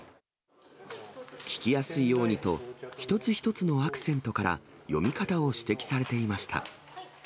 聞きやすいようにと、一つ一つのアクセントから読み方を指摘されていました。